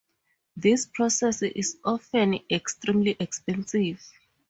This process is often extremely expensive.